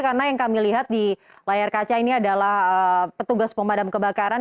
karena yang kami lihat di layar kaca ini adalah petugas pemadam kebakaran